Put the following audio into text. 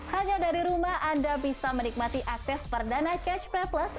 hanya dari rumah anda bisa menikmati akses perdana catch play plus